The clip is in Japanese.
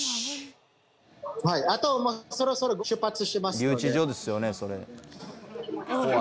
あとそろそろ出発しますので。